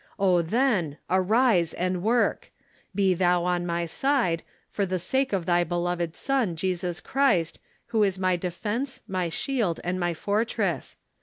O, then, arise and work ! Be thou on my side, for the sake of thy beloved Son, Jesus Christ, who is ray de fence, my shield, and my fortress.